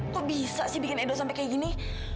kok bisa sih bikin edo sampai kayak gini